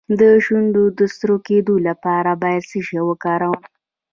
د شونډو د سره کیدو لپاره باید څه شی وکاروم؟